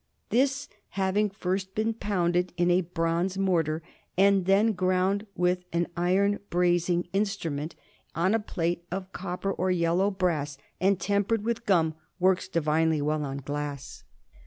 This, having first been pounded in a bronze mortar, and then ground with an iron brazing instrument on a plate of copper or yellow brass, and tempered with gum, works divinely well on glass.